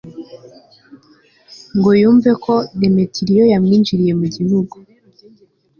ngo yumve ko demetiriyo yamwinjiriye mu gihugu